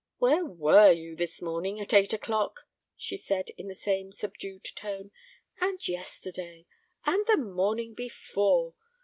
"Where were you this morning at eight o'clock?" she said, in the same subdued tone; "and yesterday, and the morning before?